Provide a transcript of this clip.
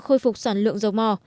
khôi phục sản lượng dầu mỏ